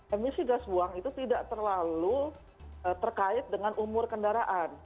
emisi gas buang itu tidak terlalu terkait dengan umur kendaraan